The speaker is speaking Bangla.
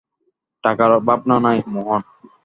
টাকার ভাবনা নাই, মোহন।